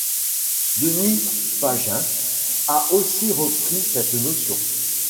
Dennis Pagen a aussi repris cette notion.